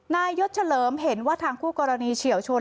นายยศเฉลิมเห็นว่าทางคู่กรณีเฉียวชน